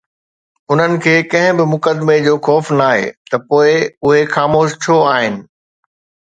انهن کي ڪنهن به مقدمي جو خوف ناهي ته پوءِ اهي خاموش ڇو آهن؟